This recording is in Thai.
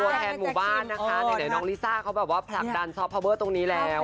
แทนหมู่บ้านนะคะไหนน้องลิซ่าเขาแบบว่าผลักดันซอฟพาวเวอร์ตรงนี้แล้ว